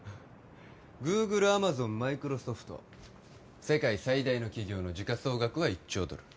グーグルアマゾンマイクロソフト世界最大の企業の時価総額は１兆ドル